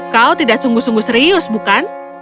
kau tidak sungguh sungguh serius bukan